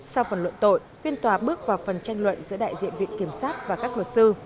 sau phần luận tội phiên tòa bước vào phần tranh luận giữa đại diện viện kiểm sát và các luật sư